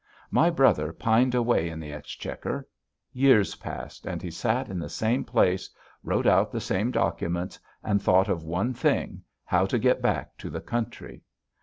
My brother pined away in the Exchequer. Years passed and he sat in the same place, wrote out the same documents, and thought of one thing, how to get back to the country.